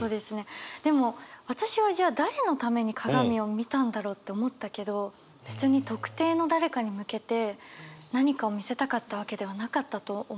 でも私はじゃあ誰のために鏡を見たんだろうって思ったけど別に特定の誰かに向けて何かを見せたかったわけではなかったと思うんですね。